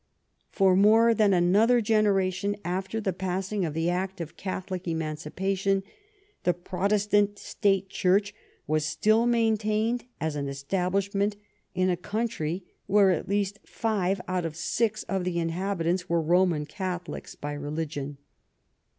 For more than another generation after the passing of the act of Catholic emancipation, the Protestant state Church was still maintained as an establishment in a country where at least five out of six of the inhabitants were Roman Catholics by re ligion.